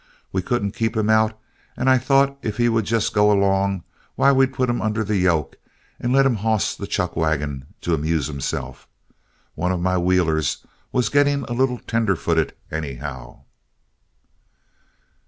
We couldn't keep him out, and I thought if he would just go along, why we'd put him under the yoke and let him hoss that chuck wagon to amuse himself. One of my wheelers was getting a little tenderfooted, anyhow."